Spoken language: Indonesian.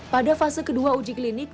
pada fase kedua uji klinik